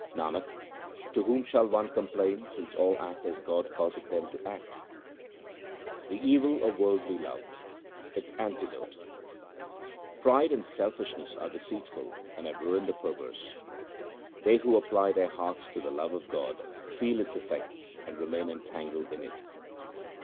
Nanak, to whom shall one complain since all act as God causeth them to act ? The evil of worldly love ; its antidote :— Pride and selfishness are deceitful and have ruined the perverse. They who apply their hearts to the love of the world feel its effects and remain entangled in it.